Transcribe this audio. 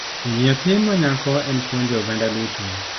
Puonjo nyathi ma nyako en puonjo oganda duto.